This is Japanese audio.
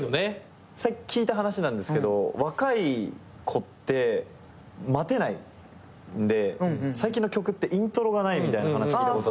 聞いた話なんですけど若い子って待てないんで最近の曲ってイントロがないみたいな話聞いたことあって。